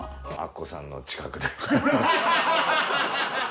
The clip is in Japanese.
アッコさんの近くで。